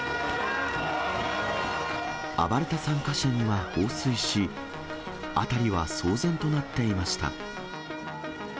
暴れた参加者には放水し、辺りは騒然となっていました。